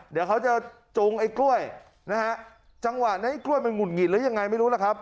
เดี๋ยวเขาจะจูงไอ้กล้วยนะฮะจังหวะนั้นไอ้กล้วยมันหุดหงิดหรือยังไงไม่รู้ล่ะครับ